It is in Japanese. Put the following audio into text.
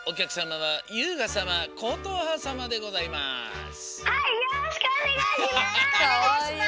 はいよろしくおねがいします！